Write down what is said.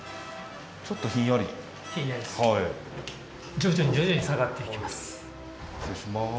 徐々に徐々に下がっていきます。